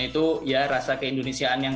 itu ya rasa keindonesiaan yang